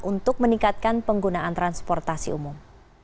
untuk meningkatkan penggunaan transportasi umum